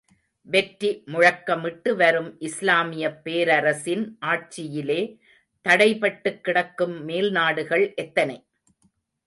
வெற்றி முழக்கமிட்டு வரும் இஸ்லாமியப் பேரரசின் ஆட்சியிலே தடைபட்டுக்கிடக்கும் மேல்நாடுகள் எத்தனை?